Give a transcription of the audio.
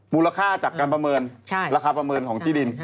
มูลค่าจากการประเมินราคาประเมินของที่ดิน